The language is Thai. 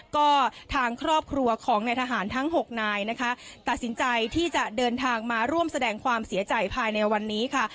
ก็ทางครอบครัวของนายทหารทั้ง๖นายนะคะตัดสินใจที่จะเดินทางมาร่วมแสดงความเสียใจภายในวันนี้ค่ะ